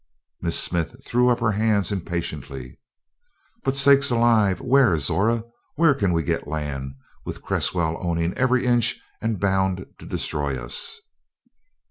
Miss Smith threw up her hands impatiently. "But sakes alive! Where, Zora? Where can we get land, with Cresswell owning every inch and bound to destroy us?"